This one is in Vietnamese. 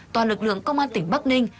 toàn lực lượng công an tỉnh bắc ninh